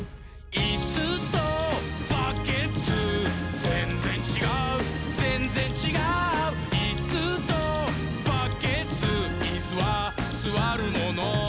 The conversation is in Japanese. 「いっすーとバッケツーぜんぜんちがうぜんぜんちがう」「いっすーとバッケツーイスはすわるもの」